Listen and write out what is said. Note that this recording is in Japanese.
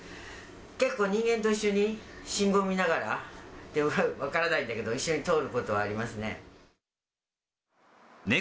結構、人間と一緒に信号見ながら、分からないんだけど、一緒に通ることはありますね。